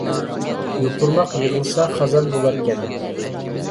يۇپۇرماق يىغلىسا خازان بۇلار كەن